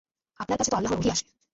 আপনার কাছে তো আল্লাহর ওহী আসে।